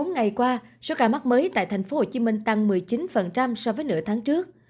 bốn ngày qua số ca mắc mới tại tp hcm tăng một mươi chín so với nửa tháng trước